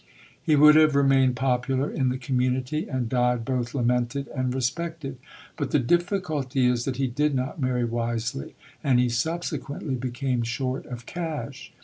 He would have remained popular in the community, and died both lamented and respected. But the difficulty is that he did not marry wisely, and he subsequently became short of cash.